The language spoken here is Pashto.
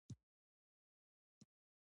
دا ښوونځي د اداري چارو لپاره مهم وو.